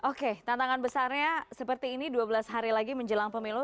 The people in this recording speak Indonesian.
oke tantangan besarnya seperti ini dua belas hari lagi menjelang pemilu